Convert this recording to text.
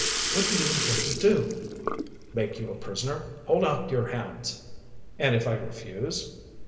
"What do you intend to do?" "Make you a prisoner. Hold out your hands." "And if I refuse?"